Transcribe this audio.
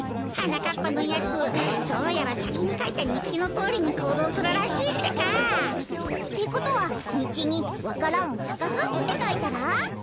はなかっぱのやつどうやらさきにかいたにっきのとおりにこうどうするらしいってか。ってことはにっきに「わか蘭をさかす」ってかいたら？